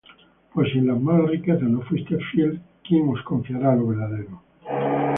Pues si en las malas riquezas no fuísteis fieles. ¿quién os confiará lo verdadero?